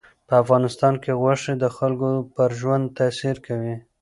په افغانستان کې غوښې د خلکو پر ژوند تاثیر کوي.